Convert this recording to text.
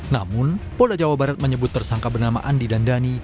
namun polda jawa barat menyebut tersangka bernama andi dan dhani